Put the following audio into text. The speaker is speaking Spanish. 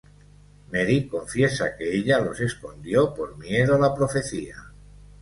Mary confiesa que ella los escondió por miedo a la profecía.